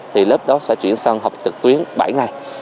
thì lớp đó sẽ chuyển sang học trực tuyến bảy ngày